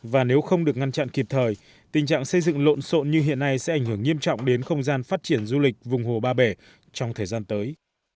và nếu không được ngăn chặn kịp thời tình trạng xây dựng lộn xộn như hiện nay sẽ ảnh hưởng nghiêm trọng đến không gian phát triển du lịch vùng hồ ba bể trong thời gian tới